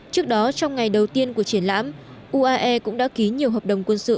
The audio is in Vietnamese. trước đó trong ngày đầu tiên của triển lãm uae cũng đã ký nhiều hợp đồng quân sự